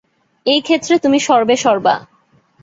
এই ক্ষেত্রে, তুমি সর্বেসর্বা।